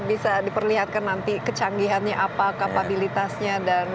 bisa diperlihatkan nanti kecanggihannya apa kapabilitasnya dan